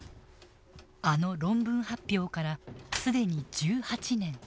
あの論文発表から既に１８年。